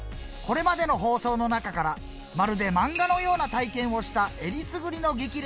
これまでの放送の中からまるで漫画のような体験をしたえりすぐりの激